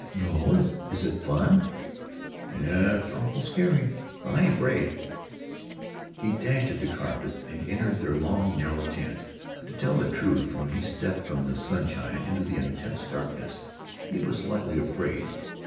"No. Is it fun?" "It's awful scary. But I ain't afraid." He dashed at the carpets and entered their long narrow tent. To tell the truth, when he stepped from the sunshine into the intense darkness he was slightly afraid.